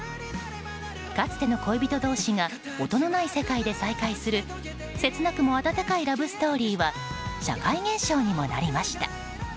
かつての恋人同士が音のない世界で再会する切なくも温かいラブストーリーは社会現象にもなりました。